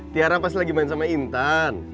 tiara pasti lagi main sama intan